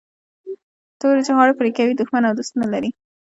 توري چي غاړي پرې کوي دوست او دښمن نه لري